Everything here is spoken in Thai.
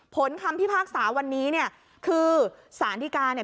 คำพิพากษาวันนี้เนี่ยคือสารดีกาเนี่ย